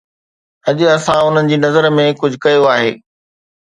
اڄ اسان انهن جي نظر ۾ ڪجهه ڪيو آهي